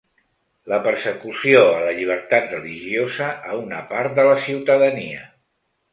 La persecució a la llibertat religiosa a una part de la ciutadania.